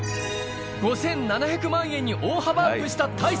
５７００万円に大幅アップした大勢。